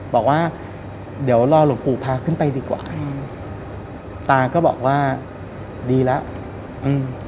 บอกว่าเดี๋ยวรอหลวงปู่พาขึ้นไปดีกว่าอืมตาก็บอกว่าดีแล้วอืม